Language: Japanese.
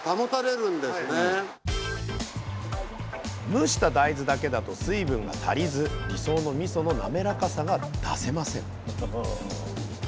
蒸した大豆だけだと水分が足りず理想のみその滑らかさが出せません